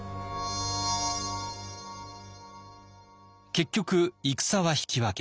結局戦は引き分け。